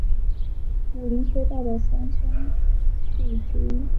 武林黑道的三大凶地之一。